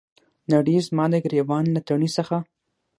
نړۍ زما د ګریوان له تڼۍ څخه